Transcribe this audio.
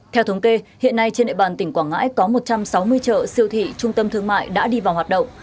theo thống kê hiện nay trên địa bàn tỉnh quảng ngãi có một trăm sáu mươi chợ siêu thị trung tâm thương mại đã đi vào hoạt động